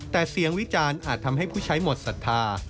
แต่เสียงวิจารณ์อาจทำให้ผู้ใช้หมดศรัทธา